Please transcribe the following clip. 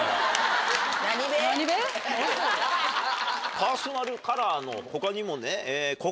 パーソナルカラーの他にも。